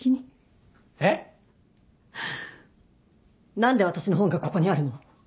何で私の本がここにあるの？